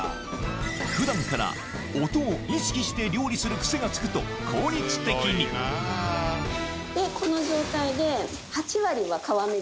普段から音を意識して料理するクセがつくと効率的にこの状態で。